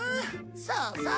そうそう。